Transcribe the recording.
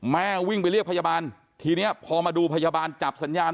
แม่วิ่งไปเรียกพยาบาลทีนี้พอมาดูพยาบาลจับสัญญาณ